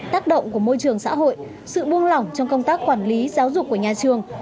tác động của môi trường xã hội sự buông lỏng trong công tác quản lý giáo dục của nhà trường